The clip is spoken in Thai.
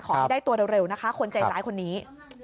ขอให้ได้ตัวเร็วนะคะคนใจร้ายคนนี้